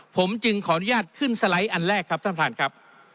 ผมจึงขออนุญาตขึ้นสไลด์อันแรกครับท่านท่านครับ